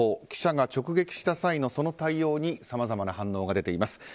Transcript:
記者が直撃した際の、その対応にさまざまな反応が出ています。